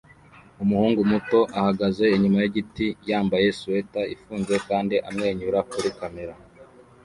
Umuhungu muto ahagaze inyuma yigiti yambaye swater ifunze kandi amwenyura kuri kamera